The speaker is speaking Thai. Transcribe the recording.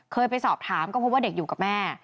เคยไปสอบถามก็พบว่าเด็กอยู่กับแม่